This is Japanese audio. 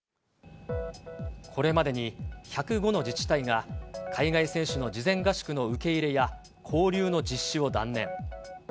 これまでに１０５の自治体が、海外選手の事前合宿の受け入れや交流の実施を断念。